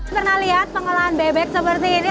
pernah lihat pengolahan bebek seperti ini